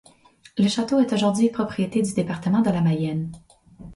Le château est aujourd'hui propriété du département de la Mayenne.